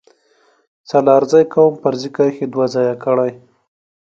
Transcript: سلارزی قوم فرضي کرښې دوه ځايه کړي